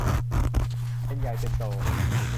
เป็นใหญ่เป็นโต